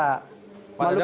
pak dadang menjawab